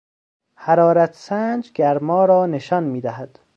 حرارتسنج گرما را نشان میدهد.